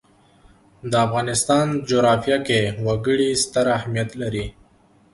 د افغانستان جغرافیه کې وګړي ستر اهمیت لري.